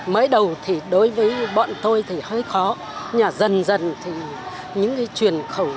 mới đầu thì đối với bọn tôi thì hơi khó nhưng mà dần dần thì những cái truyền khẩu